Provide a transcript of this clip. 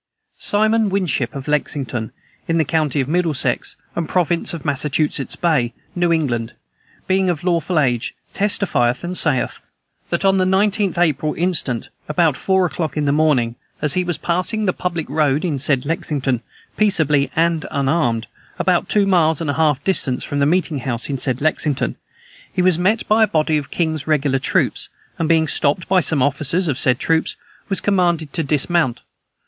"Simon Winship, of Lexington, in the county of Middlesex, and province of Massachusetts Bay, New England, being of lawful age, testifieth and saith, that on the 19th April instant, about four o'clock in the morning, as he was passing the public road in said Lexington, peaceably and unarmed, about two miles and a half distant from the meeting house in said Lexington, he was met by a body of the king's regular troops, and being stopped by some officers of said troops, was commanded to dismount.